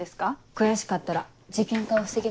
悔しかったら事件化を防ぎな。